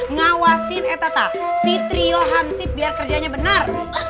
ngawasin ete ta si trio hansip biar kerjanya bener